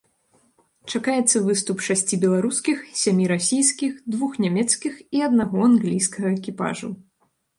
Чакаецца выступ шасці беларускіх, сямі расійскіх, двух нямецкіх і аднаго англійскага экіпажаў.